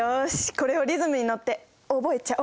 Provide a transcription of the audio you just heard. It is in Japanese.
これをリズムに乗って覚えちゃおう。